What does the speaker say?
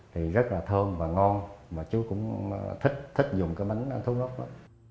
thì rất là thơm và ngon mà chú cũng thích thích dùng cái bánh thốt nốt đó